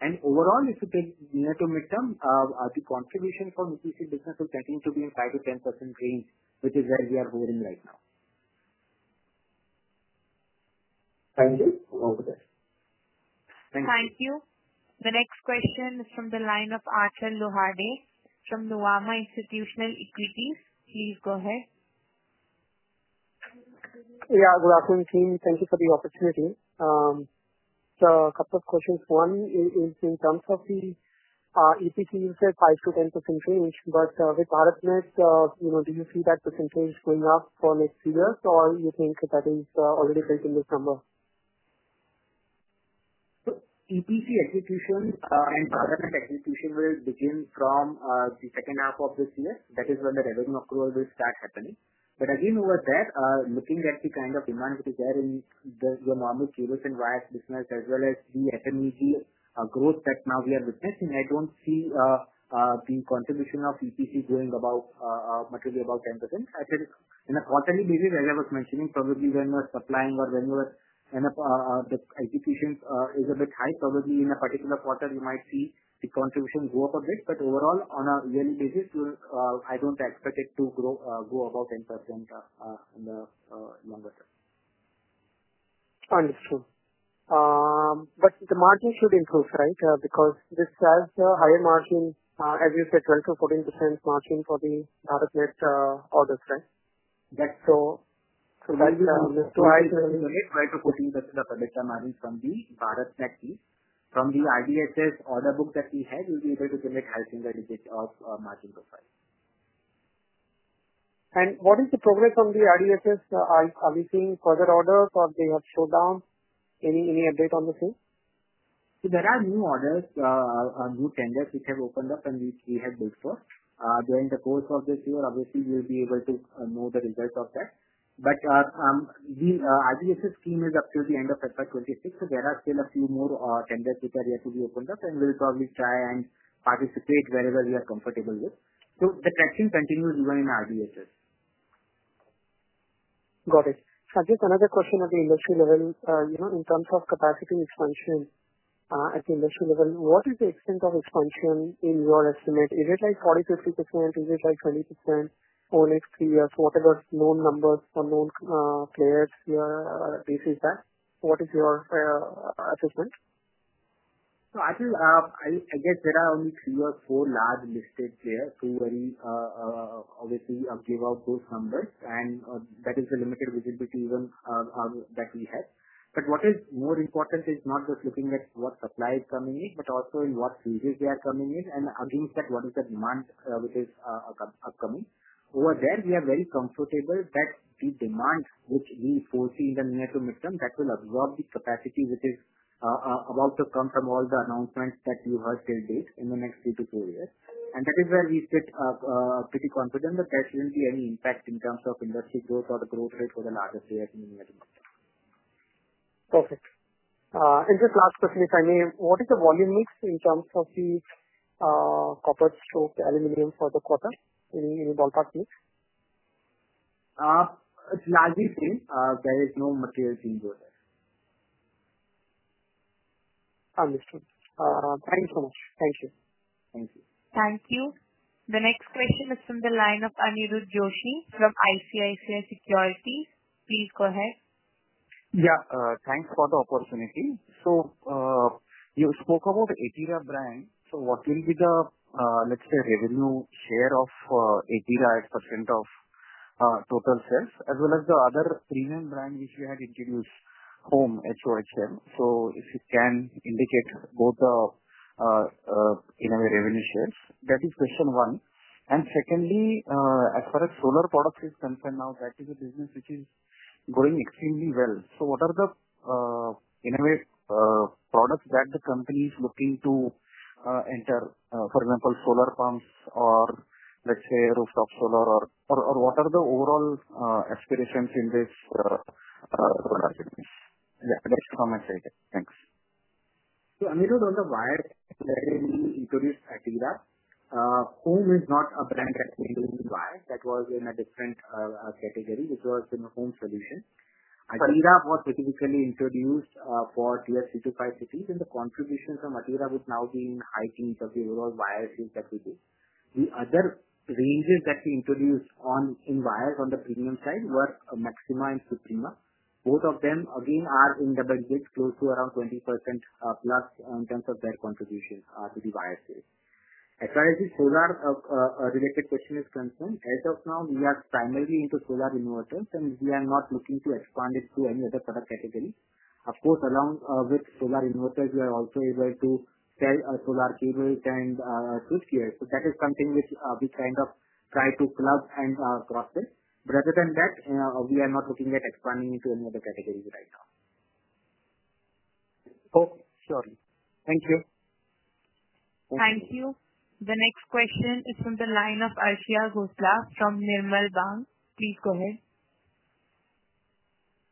And overall, if you take near to mid term, the contribution for EPC business will continue to be in 5%-10% range, which is where we are holding right now. Thank you. All good. Thank you. Thank you. The next question is from the line of Archer Luhade from Nomura Institutional Equities. Please go ahead. Yeah, good afternoon, KEI Industries. Thank you for the opportunity. So a couple of questions. One is in terms of the EPC, you said 5%-10% range, but with BharatNet, do you see that percentage going up for next year or you think that is already built in this number? So EPC execution and BharatNet execution will begin from the second half of this year. That is when the revenue accrual will start happening. But again, over there, looking at the kind of demand which is there in your normal cables and wires business as well as the FMEG growth that now we are witnessing, I don't see the contribution of EPC going about 10%. In a quarterly basis, as I was mentioning, probably when you are supplying or when you are in a the execution is a bit high. Probably in a particular quarter, you might see the contribution go up a bit. But overall, on a yearly basis, I don't expect it to go above 10%. In the longer term. Understood. But the margin should improve, right? Because this has a higher margin, as you said, 12%-14% margin for the BharatNet orders, right? That's true. So that will be something that will generate 12% - 14% of the EBITDA margin from the BharatNet piece. From the RDSS order book that we have, we'll be able to generate a high single digit of margin profile. And what is the progress on the RDSS? Are we seeing further orders or they have shut down? Any update on the scheme? So there are new orders, new tenders which have opened up and which we have bid for during the course of this year. Obviously, we'll be able to know the results of that. But the RDSS scheme is up to the end of FY26, so there are still a few more tenders which are yet to be opened up, and we'll probably try and participate wherever we are comfortable with. So the traction continues even in RDSS. Got it. Just another question at the industry level. In terms of capacity expansion. At the industry level, what is the extent of expansion in your estimate? Is it like 40%, 50%? Is it like 20% over next three years? What are the known numbers for known players here based on that? What is your assessment? So I guess there are only three or four large listed players who will. Obviously give out those numbers, and that is the limited visibility that we have. But what is more important is not just looking at what supply is coming in, but also in what phases they are coming in. And against that, what is the demand which is upcoming? Over there, we are very comfortable that the demand which we foresee in the near to mid term that will absorb the capacity which is about to come from all the announcements that you heard till date in the next three to four years. And that is where we sit pretty confident that there shouldn't be any impact in terms of industry growth or the growth rate for the larger players in the near to mid term. Perfect. And just last question, if I may, what is the volume mix in terms of the. Copper stroke, aluminum for the quarter? Any ballpark mix? It's largely the same. There is no material change over there. Understood. Thanks so much. Thank you. Thank you. Thank you. The next question is from the line of Aniruddha Joshi from ICICI Securities. Please go ahead. Yeah. Thanks for the opportunity. So. You spoke about Atira brand. So what will be the, let's say, revenue share of Atira as % of. Total sales as well as the other premium brand which you had introduced home, HOHM? So if you can indicate both the. Individual revenue shares. That is question one. And secondly, as far as solar products are concerned now, that is a business which is going extremely well. So what are the. Individual products that the company is looking to. Enter, for example, solar pumps or, let's say, rooftop solar? Or what are the overall aspirations in this. Solar business? Yeah, that's from my side. Thanks. So Aniruddha on the wire, where we introduced Atira. Home is not a brand that mainly wire. That was in a different category, which was in home solution. Atira was specifically introduced for tier 3-5 cities, and the contribution from Atira would now be in high teens of the overall wire sales that we did. The other ranges that we introduced in wires on the premium side were Maxima and Suprema. Both of them, again, are in the bucket, close to around 20% plus in terms of their contribution to the wire sales. As far as the solar-related question is concerned, as of now, we are primarily into solar inverters, and we are not looking to expand into any other product category. Of course, along with solar inverters, we are also able to sell solar cables and switch gears. So that is something which we kind of try to club and cross-sell. But other than that, we are not looking at expanding into any other categories right now. Okay. Surely. Thank you. Thank you. The next question is from the line of Arshia Khosla from Nirmal Bang. Please go ahead.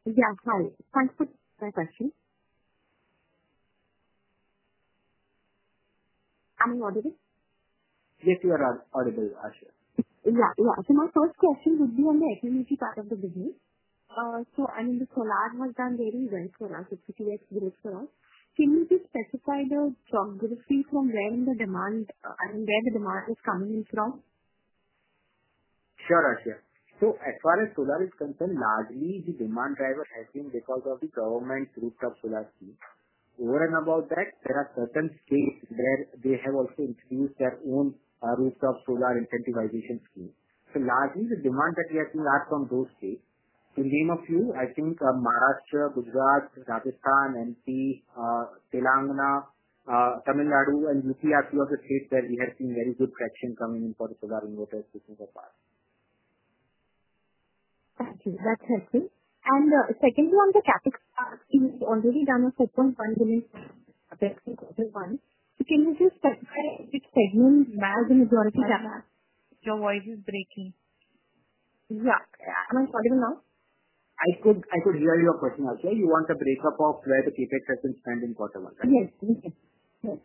Yeah. Hi. Thanks for the question. Am I audible? Yes, you are audible, Arshia. Yeah. Yeah. So my first question would be on the FMEG part of the business. So I mean, the solar has done very well for us. It's a 2x growth for us. Can you just specify the geography from where the demand is coming in from? Sure, Arshia. So as far as solar is concerned, largely the demand driver has been because of the government rooftop solar scheme. Over and above that, there are certain states where they have also introduced their own rooftop solar incentivization scheme. So largely, the demand that we are seeing is from those states. To name a few, I think Maharashtra, Gujarat, Rajasthan, MP, Telangana, Tamil Nadu, and UP are a few of the states where we have seen very good traction coming in for the solar inverters, which is a part. Thank you. That's helpful. And secondly, on the CapEx part, we've already done a ₹4.1 billion CapEx in quarter one. So can you just specify which segment, large and majority? Your voice is breaking. Yeah. Am I audible now? I could hear your question, Arshia. You want the breakup of where the CapEx has been spent in quarter one, right? Yes. Yes. Yes.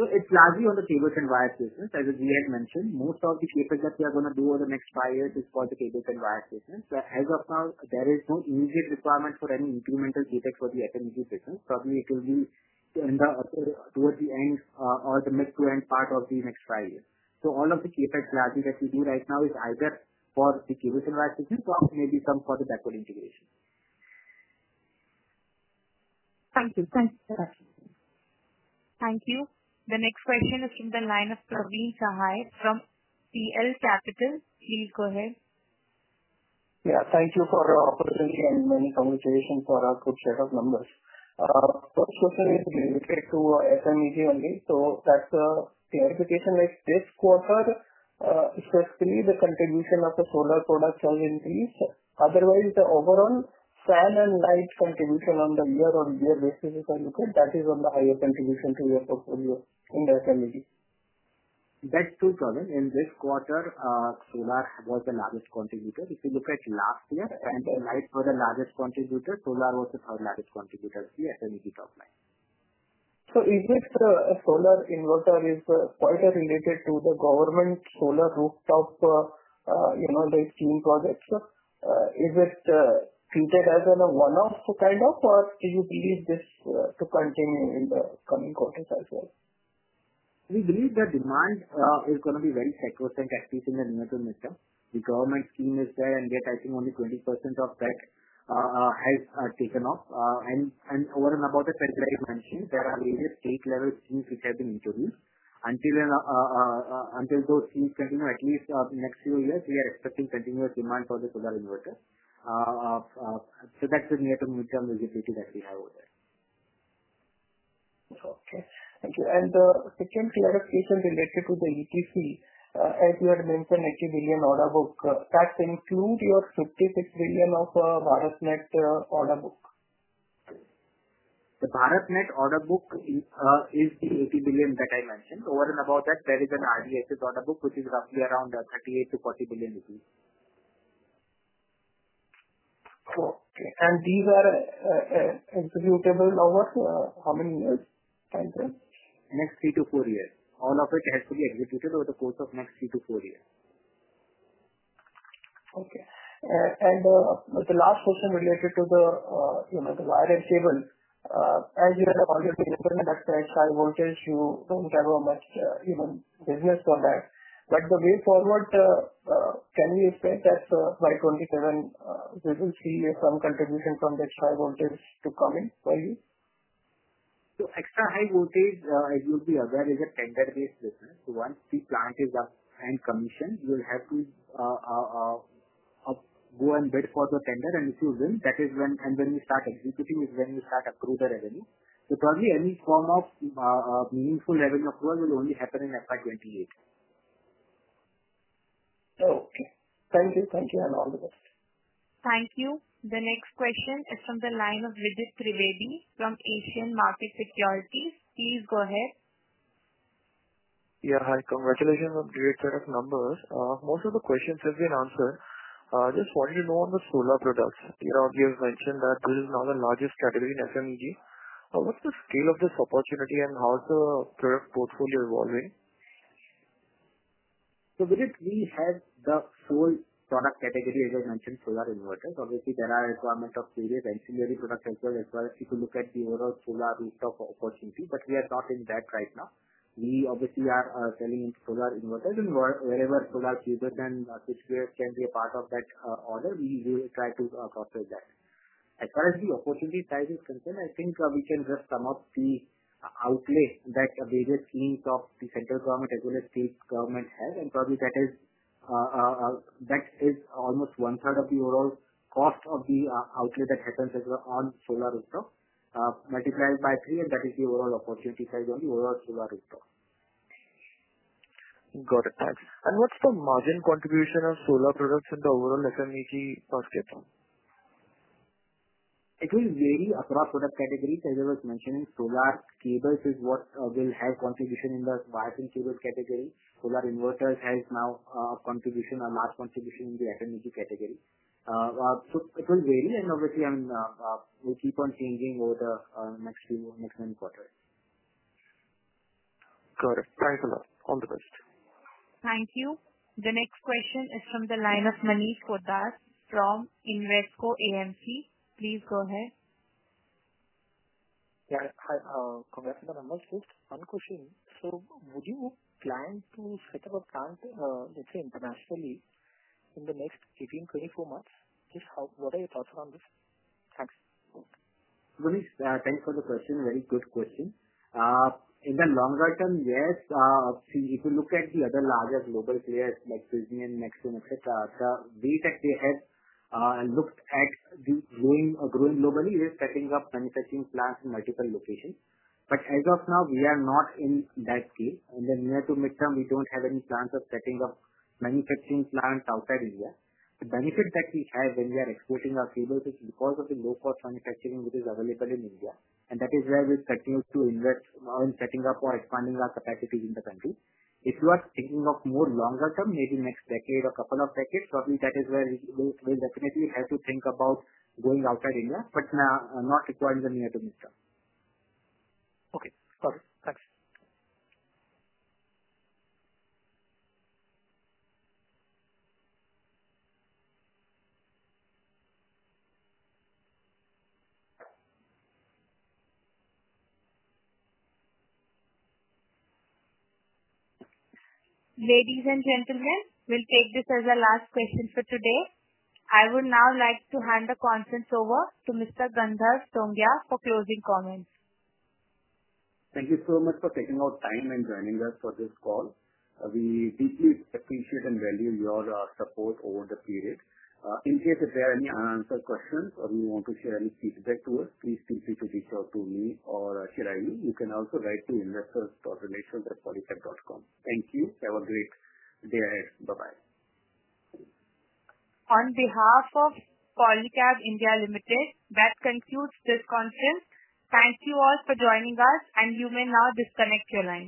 So it's largely on the cables and wires business, as we had mentioned. Most of the CapEx that we are going to do over the next five years is for the cables and wires business. As of now, there is no immediate requirement for any incremental CapEx for the FMEG business. Probably it will be towards the end or the mid to end part of the next five years. So all of the CapEx largely that we do right now is either for the cables and wires business or maybe some for the backward integration. Thank you. Thank you. Thank you. The next question is from the line of Praveen Sahay from PL Capital. Please go ahead. Yeah. Thank you for the opportunity and many congratulations for a good set of numbers. First question is related to FMEG only. So that's a clarification. This quarter. Especially the contribution of the solar products has increased. Otherwise, the overall fan and light contribution on the year-on-year basis, if I look at, that is on the higher contribution to your portfolio in the FMEG. That's true, Praveen. In this quarter, solar was the largest contributor. If you look at last year, and the light were the largest contributors, solar was the third-largest contributor in the FMEG top line. So is it the solar inverter is quite related to the government solar rooftop. Scheme projects? Is it treated as a one-off kind of, or do you believe this to continue in the coming quarters as well? We believe the demand is going to be very cyclical, at least in the near to mid term. The government scheme is there, and yet, I think only 20% of that. Has taken off. And over and above the fact that I've mentioned, there are various state-level schemes which have been introduced. Until those schemes continue, at least next few years, we are expecting continuous demand for the solar inverters. So that's the near to mid-term visibility that we have over there. Okay. Thank you. And the second clarification related to the EPC, as you had mentioned, 80 billion order book, does that include your 56 billion of BharatNet order book? The BharatNet order book is the 80 billion that I mentioned. Over and above that, there is an RDSS order book which is roughly around 38-40 billion rupees. Okay. And these are executable over how many years? Thank you. Next three to four years. All of it has to be executed over the course of the next three to four years. Okay. And the last question related to the wires and cables. As you have already mentioned, that's high voltage. You don't have much business for that. But the way forward. Can we expect that by 2027, we will see some contribution from the extra high voltage to come in for you? So extra high voltage, as you'll be aware, is a tender-based business. So once the plant is up and commissioned, you'll have to go and bid for the tender. And if you win, that is when we start executing is when we start accruing the revenue. So probably any form of meaningful revenue accrual will only happen in FY28. Okay. Thank you. All the best. Thank you. The next question is from the line of Vidit Trivedi from Asian Market Securities. Please go ahead. Yeah. Hi. Congratulations on the great set of numbers. Most of the questions have been answered. Just wanted to know on the solar products. You mentioned that this is now the largest category in FMEG. What's the scale of this opportunity and how is the product portfolio evolving? So Vidit, we have the full product category, as I mentioned, solar inverters. Obviously, there are requirements of various ancillary products as well as if you look at the overall solar rooftop opportunity. But we are not in that right now. We obviously are selling into solar inverters. And wherever solar cables and switch gears can be a part of that order, we will try to cross-sell that. As far as the opportunity size is concerned, I think we can just sum up the outlay that various schemes of the central government as well as state government have. And probably that is almost one-third of the overall cost of the outlay that happens on solar rooftop multiplied by three. And that is the overall opportunity size on the overall solar rooftop. Got it. Thanks. And what's the margin contribution of solar products in the overall FMEG? It will vary across product categories. As I was mentioning, solar cables is what will have contribution in the wires and cables category. Solar inverters have now a contribution, a large contribution in the FMEG category. So it will vary. And obviously, I mean, we'll keep on changing over the next few, next nine quarters. Got it. Thanks a lot. All the best. Thank you. The next question is from the line of Maneet Kodar from Invesco AMC. Please go ahead. Yeah. Hi. Congrats on the number. Just one question. So would you plan to set up a plant, let's say, internationally in the next 18 to 24 months? Just what are your thoughts around this? Thanks. Thanks for the question. Very good question. In the longer term, yes. If you look at the other larger global players like Prysmian and Nexans, etc., the way that they have looked at growing globally is setting up manufacturing plants in multiple locations. But as of now, we are not in that scale. In the near to mid term, we don't have any plans of setting up manufacturing plants outside India. The benefit that we have when we are exporting our cables is because of the low-cost manufacturing which is available in India. And that is where we're continuing to invest in setting up or expanding our capacities in the country. If you are thinking of more longer term, maybe next decade or couple of decades, probably that is where we will definitely have to think about going outside India, but not requiring the near to mid term. Okay. Got it. Thanks. Ladies and gentlemen, we'll take this as the last question for today. I would now like to hand the conference over to Mr. Gandharv Tongia for closing comments. Thank you so much for taking our time and joining us for this call. We deeply appreciate and value your support over the period. In case if there are any unanswered questions or you want to share any feedback to us, please feel free to reach out to me or Arshia Aili. You can also write to investors.relations@polycab.com. Thank you. Have a great day ahead. Bye-bye. On behalf of Polycab India Limited, that concludes this conference. Thank you all for joining us, and you may now disconnect your line.